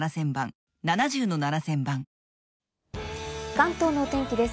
関東のお天気です。